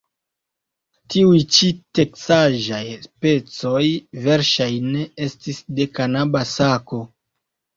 Tiuj ĉi teksaĵaj pecoj verŝajne estis de kanaba sako.